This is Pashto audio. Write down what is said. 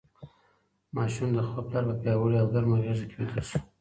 ماشوم د خپل پلار په پیاوړې او ګرمه غېږ کې ویده شو.